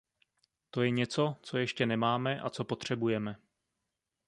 To je něco, co ještě nemáme a co potřebujeme.